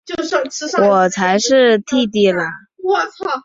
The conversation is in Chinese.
我才是姊姊啦！